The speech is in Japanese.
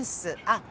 あっ。